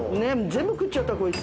全部食っちゃったこいつ。